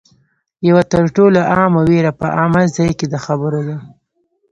یوه تر ټولو عامه وېره په عامه ځای کې د خبرو ده